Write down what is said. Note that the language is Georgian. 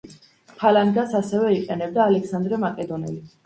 ფალანგას ასევე იყენებდა ალექსანდრე მაკედონელი.